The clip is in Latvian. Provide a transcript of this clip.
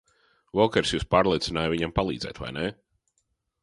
Vokers jūs pārliecināja viņam palīdzēt, vai ne?